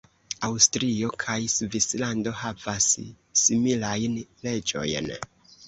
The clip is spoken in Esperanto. Aŭstrio kaj Svislando havas similajn leĝojn.